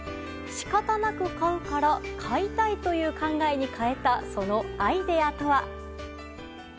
仕方なく買うから買いたいという考えに変えたそのアイデアとは？